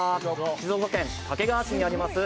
静岡県掛川市にあります